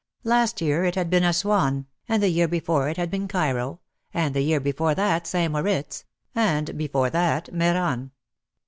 Last year it had been Assouan, and the year before it had been Cairo, and the year be fore that St. Moritz, and before that Meran.